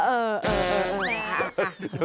เออเออเออ